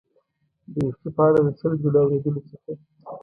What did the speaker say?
د یو شي په اړه د سل ځلو اورېدلو څخه.